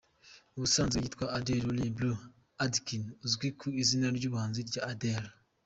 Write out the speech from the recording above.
Ubusanzwe yitwa Adele Laurie Blue Adkins, azwi ku izina ry’ubuhanzi rya Adele.